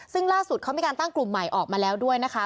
ซึ่งล่าสุดเขามีการตั้งกลุ่มใหม่ออกมาแล้วด้วยนะคะ